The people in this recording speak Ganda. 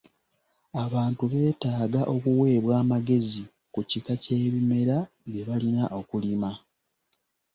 Abantu beetaaga okuweebwa amagezi ku kika ky'ebimera bye balina okulima.